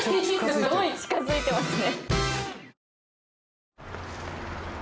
すごい近づいていますね。